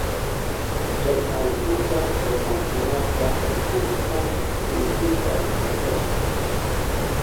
Chay allkuka runakunata rikushpan sinchita kasashka.